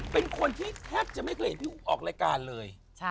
เป็นคนที่แทบจะไม่เกลียดพี่ออกรายการเลย